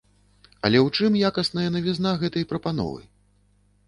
Але ў чым якасная навізна гэтай прапановы?